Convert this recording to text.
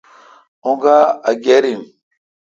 اں گا اگر این۔